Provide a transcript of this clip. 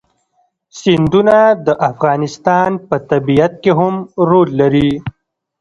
سیندونه د افغانستان په طبیعت کې مهم رول لري.